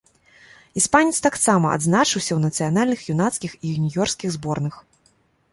Іспанец таксама адзначыўся ў нацыянальных юнацкіх і юніёрскіх зборных.